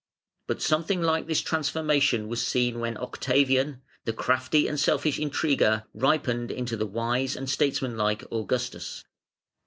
But something like this transformation was seen when Octavian, the crafty and selfish intriguer, ripened into the wise and statesmanlike Augustus.